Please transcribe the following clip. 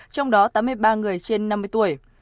trong đó tám mươi ba người trên năm mươi tuổi